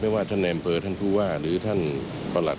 ไม่ว่าท่านแอนเบอร์ท่านผู้ว่าหรือท่านประหลัก